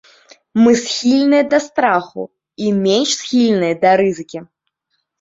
Мы схільныя да страху і менш схільныя да рызыкі.